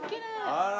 あら！